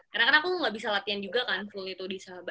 karena kan aku nggak bisa latihan juga kan kalau itu di sahabat